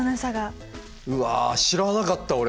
うわ知らなかった俺。